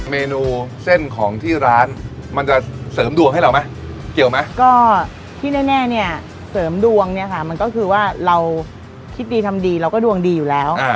เมนูเส้นของที่ร้านมันจะเสริมดวงให้เราไหมเกี่ยวไหมก็ที่แน่เนี่ยเสริมดวงเนี่ยค่ะมันก็คือว่าเราคิดดีทำดีเราก็ดวงดีอยู่แล้ว